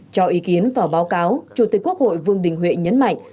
cho ý kiến vào báo cáo chủ tịch quốc hội vương đình huệ nhấn mạnh